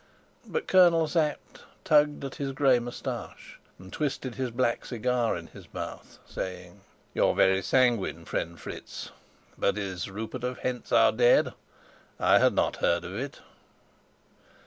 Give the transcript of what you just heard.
But Colonel Sapt tugged at his gray moustache, and twisted his black cigar in his mouth, saying, "You're very sanguine, friend Fritz. But is Rupert of Hentzau dead? I had not heard it."